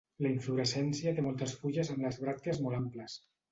La inflorescència té moltes fulles amb les bràctees molt amples.